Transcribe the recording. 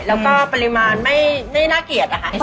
แล้วก็ปริมาณไม่น่าเกลียดนะคะ